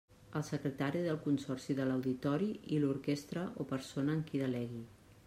El Secretari del Consorci de L'Auditori i l'orquestra o persona en qui delegui.